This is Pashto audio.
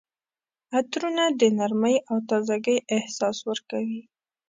عطرونه د نرمۍ او تازګۍ احساس ورکوي.